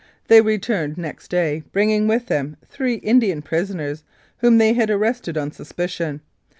They returned next day, bringing with them three Indian prisoners, whom they had arrested on suspicion.